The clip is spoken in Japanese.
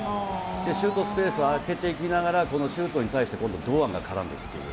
シュートスペースを空けていきながら、このシュートに対して、今度、堂安が絡んでいくという。